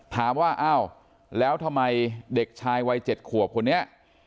ถามว่าอ้าวแล้วทำไมเด็กชายวัย๗ขวบคนนี้